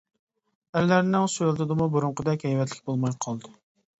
ئەرلەرنىڭ سۆلىتىمۇ بۇرۇنقىدەك ھەيۋەتلىك بولماي قالدى.